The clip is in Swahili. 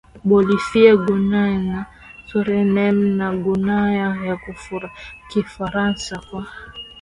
Bolivia Guyana Suriname na Guyana ya Kifaransa kwa